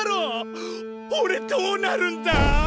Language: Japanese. おれどうなるんだ！？